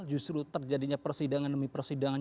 justru terjadinya persidangan demi persidangan